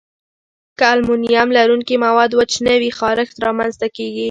که المونیم لرونکي مواد وچ نه وي، خارښت رامنځته کېږي.